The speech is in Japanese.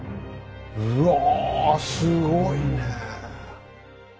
うわあすごいねえ。